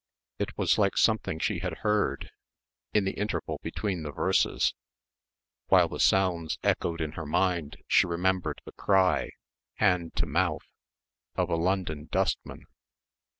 It was like something she had heard in the interval between the verses while the sounds echoed in the mind she remembered the cry, hand to mouth, of a London dustman.